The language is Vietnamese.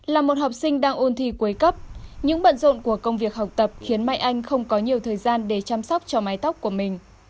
là một học sinh đang ôn thi cuối cấp những bận rộn của công việc học tập khiến mai anh không có nhiều thời gian để chăm sóc cho mái tóc của mình